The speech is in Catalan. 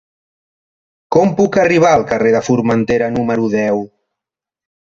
Com puc arribar al carrer de Formentera número deu?